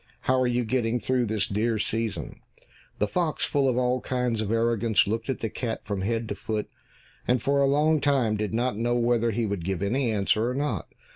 How are you getting through this dear season?" The fox, full of all kinds of arrogance, looked at the cat from head to foot, and for a long time did not know whether he would give any answer or not.